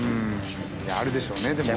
あるでしょうねでも。